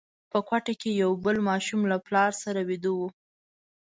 په کوټه کې یو بل ماشوم له پلار سره ویده وو.